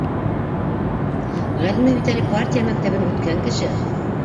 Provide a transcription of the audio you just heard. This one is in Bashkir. Ғәлимә бит әле партия мәктәбен үткән кеше.